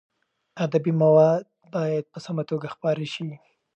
ادبي مواد باید په سمه توګه خپاره شي.